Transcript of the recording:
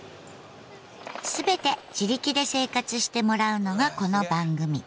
全て自力で生活してもらうのがこの番組。